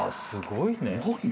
すごいわ。